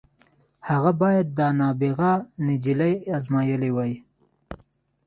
هغه بايد دا نابغه نجلۍ ازمايلې وای.